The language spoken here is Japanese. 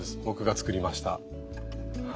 僕が作りました。